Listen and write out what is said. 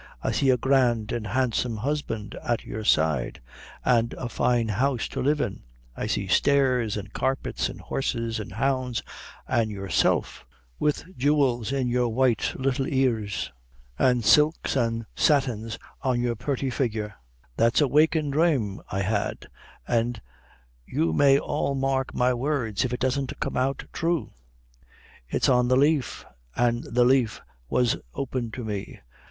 I see a grand an' handsome husband at your side, and a fine house to live in. I see stairs, an' carpets, an' horses, an' hounds, an' yourself, with jewels in your white little ears, an' silks, an' satins on your purty figure. That's a wakin' dhrame I had, an' you may all mark my words, if it doesn't come out thrue; it's on the leaf, an' the leaf was open to me.